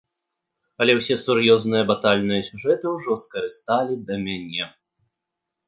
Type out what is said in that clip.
Але ўсе сур'ёзныя батальныя сюжэты ўжо скарысталі да мяне.